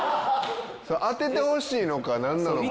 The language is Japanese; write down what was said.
当ててほしいのかなんなのか。